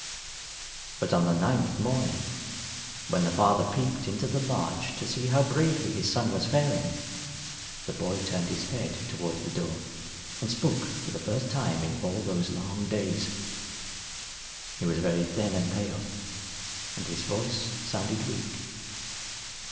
But on the ninth morning, when the father peeped into the lodge to see how bravely his son was faring, the boy turned his head toward the door and spoke for the first time in all those long days. He was very thin and pale, and his voice sounded weak.